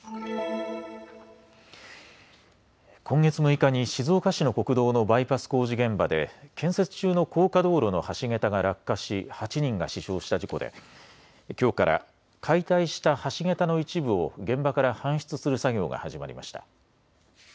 今月６日に静岡市の国道のバイパス工事現場で建設中の高架道路の橋桁が落下し８人が死傷した事故できょうから解体した橋桁の一部を現場から搬出する作業が始まりました。